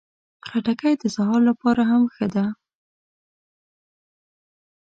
خټکی د سهار لپاره هم ښه ده.